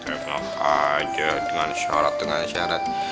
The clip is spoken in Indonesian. teriplock aja dengan syarak dengan syarat